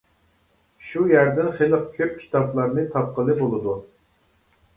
شۇ يەردىن خېلى كۆپ كىتابلارنى تاپقىلى بولىدۇ.